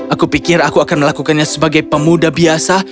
aku pikir aku akan melakukannya sebagai pemuda biasa